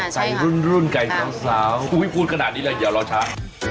อ๋อไก่รุ่นไก่สาวอุ้ยพูดขนาดนี้แหละเดี๋ยวรอช้า